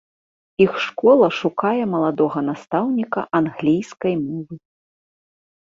Іх школа шукае маладога настаўніка англійскай мовы.